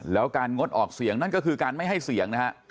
แล้วการงดออกเสียงนั่นก็คือการไม่ให้เสียงนะฮะ